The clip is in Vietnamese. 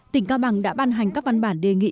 tỉnh cao bằng đã ban hành các văn bản đề nghị